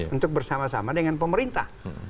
untuk bersama sama dengan pemerintah